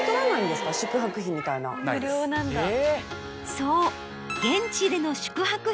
そう。